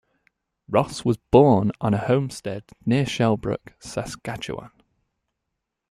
Ross was born on a homestead near Shellbrook, Saskatchewan.